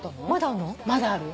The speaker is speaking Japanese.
まだあるの？